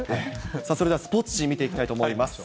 それではスポーツ紙、見ていきたいと思います。